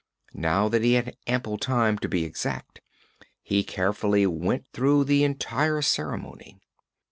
Now that he had ample time to be exact, he carefully went through the entire ceremony.